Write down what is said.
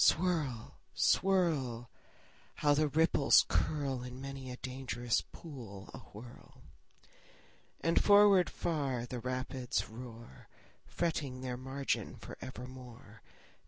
Swirl, swirl! How the ripples curl In many a dangerous pool awhirl! And forward far the rapids roar, Fretting their margin for evermore.